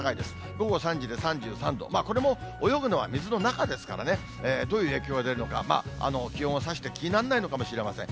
午後３時で３３度、これも泳ぐのは水の中ですからね、どういう影響が出るのか、気温はさして気にならないのかもしれません。